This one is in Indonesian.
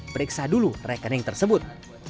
periksa dulu rekening tersebut